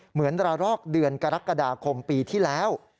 เหมือนระลอกเดือนกรกฎาคมปีที่แล้ว